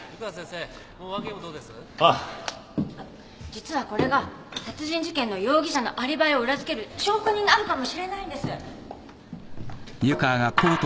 実はこれが殺人事件の容疑者のアリバイを裏付ける証拠になるかもしれないんです。